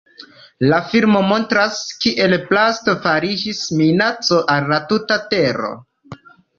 La filmo montras, kiel plasto fariĝis minaco al la tuta tero.